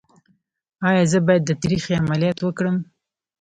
ایا زه باید د تریخي عملیات وکړم؟